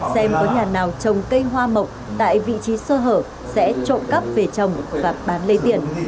xem có nhà nào trồng cây hoa mộc tại vị trí sơ hở sẽ trộm cắp về trồng và bán lấy tiền